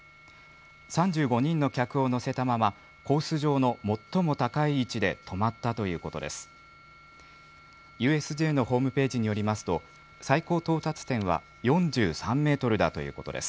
３５人の客を乗せたまま、コース上の最も高い位置で、止まったということです。